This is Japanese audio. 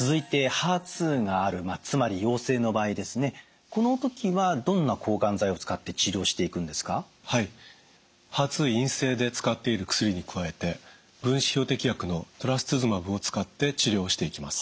ＨＥＲ２陰性で使っている薬に加えて分子標的薬のトラスツズマブを使って治療をしていきます。